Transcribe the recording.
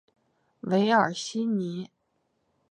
韦尔西尼。